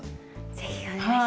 是非お願いします。